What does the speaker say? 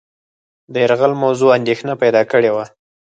د یرغل موضوع اندېښنه پیدا کړې وه.